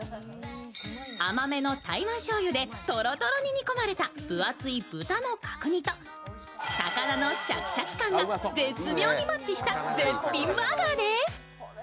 甘めの台湾しょうゆでとろとろに煮込まれた分厚い豚の角煮と高菜のシャキシャキ感が絶妙にマッチした絶品バーガーです。